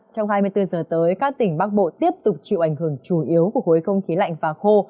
trong hai mươi bốn giờ tới các tỉnh bắc bộ tiếp tục chịu ảnh hưởng chủ yếu của khối không khí lạnh và khô